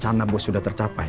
kalau rencana bu sudah tercapai